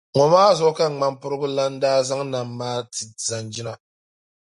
Ŋɔ maa zuɣu ka Ŋmampirigu Lana daa zaŋ Nam maa ti Zanjina.